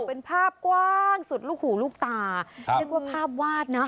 เป็นภาพกว้างสุดลูกหูลูกตานึกว่าภาพวาดนะ